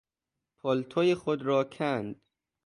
پالتو خود را کند.